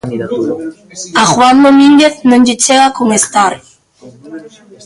A Juan Domínguez non lle chega con estar.